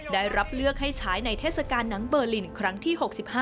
ได้รับเลือกให้ใช้ในเทศกาลหนังเบอร์ลินครั้งที่๖๕